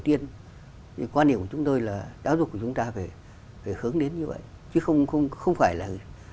tiên quan điểm của chúng tôi là giáo dục của chúng ta phải hướng đến như vậy chứ không phải là